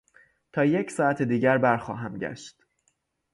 تا یک ساعت دیگر برخواهم گشت.